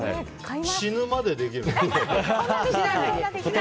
死ぬまでできる。